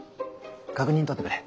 確認とってくれ。